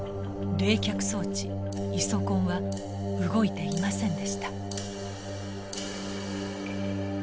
冷却装置イソコンは動いていませんでした。